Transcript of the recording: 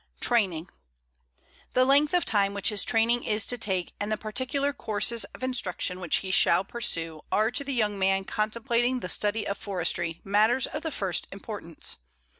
TRAINING The length of time which his training is to take and the particular courses of instruction which he shall pursue are to the young man contemplating the study of forestry matters of the first importance.